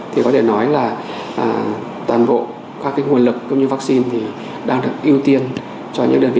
thì có thể nói là toàn bộ các cái nguồn lực cũng như vắc xin thì đang được ưu tiên cho những đơn vị